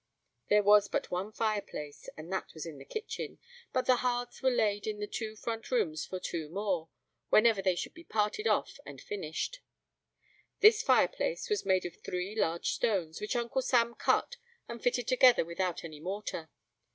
There was but one fireplace, and that was in the kitchen; but the hearths were laid in the two front rooms for two more, whenever they should be parted off and finished. This fireplace was made of three large stones, which Uncle Sam cut and fitted together without any mortar.